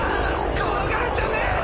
怖がるんじゃねえ！